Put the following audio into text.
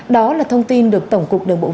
đó là thông tin được tổng cục đường bộ